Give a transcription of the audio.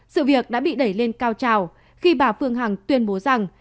sự việc đã bị đẩy lên cao trào khi bà phương hằng tuyên bố rằng